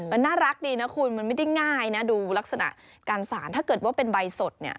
มันน่ารักดีนะคุณมันไม่ได้ง่ายนะดูลักษณะการสารถ้าเกิดว่าเป็นใบสดเนี่ย